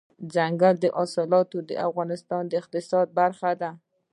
دځنګل حاصلات د افغانستان د اقتصاد برخه ده.